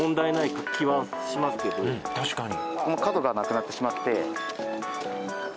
確かに。